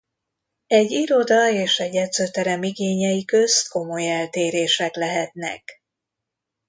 Egy iroda és egy edzőterem igényei közt komoly eltérések lehetnek.